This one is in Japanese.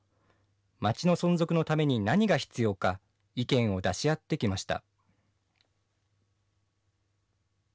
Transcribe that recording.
まちの存続のために何が必要か、意見を出し合ってきました。